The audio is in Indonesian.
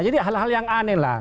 jadi hal hal yang aneh lah